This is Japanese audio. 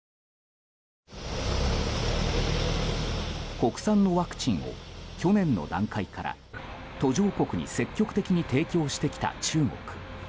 国産のワクチンを去年の段階から途上国に積極的に提供してきた中国。